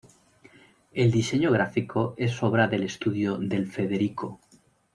El diseño gráfico es obra del estudio "Del Federico".